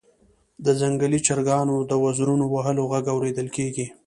د ځنګلي چرګانو د وزرونو وهلو غږ اوریدل کیږي